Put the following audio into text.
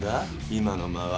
今の間は？